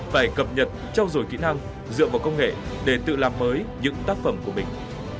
phải cập nhật trao dồi kỹ năng dựa vào công nghệ để tự làm mới những tác phẩm của mình